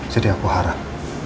jadi aku harap